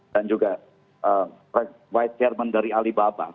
dan juga white chairman dari alibaba